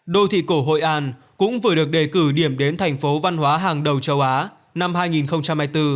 đô thị cổ hội an cũng vừa được đề cử điểm đến thành phố văn hóa hàng đầu châu á năm hai nghìn hai mươi bốn